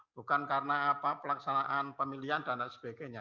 bukan karena pelaksanaan pemilihan dana sebagainya